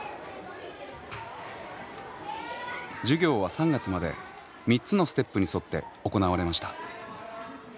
授業は３月まで３つのステップに沿って行われました。